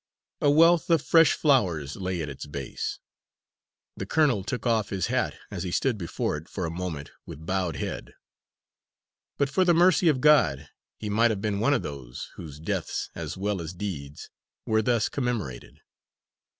A wealth of fresh flowers lay at its base. The colonel took off his hat as he stood before it for a moment with bowed head. But for the mercy of God, he might have been one of those whose deaths as well as deeds were thus commemorated.